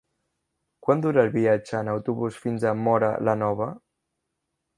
Quant dura el viatge en autobús fins a Móra la Nova?